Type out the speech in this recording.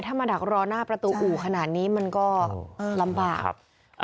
ถ้ามาดักรอหน้าประตูอู่ขนาดนี้มันก็ลำบากครับ